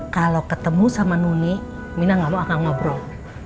kalau ketemu sama nuni mina gak mau akan ngobrol